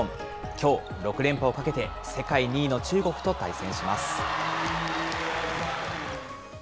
きょう、６連覇をかけて世界２位の中国と対戦します。